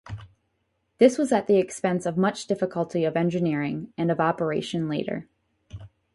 This was at the expense of much difficulty of engineering, and of operation later.